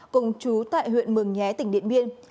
cùng chú tại huyện mường nhé tỉnh điện biên